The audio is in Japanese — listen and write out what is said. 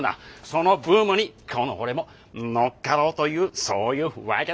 そのブームにこの俺も乗っかろうというそういうわけだ。